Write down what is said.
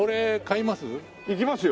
いきますよ。